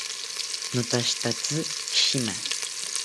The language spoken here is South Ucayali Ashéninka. Notashitatzi shima